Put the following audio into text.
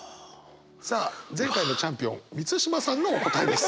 さあ前回のチャンピオン満島さんのお答えです。